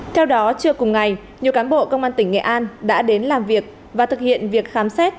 theo đó trưa cùng ngày nhiều cán bộ công an tỉnh nghệ an đã đến làm việc và thực hiện việc khám xét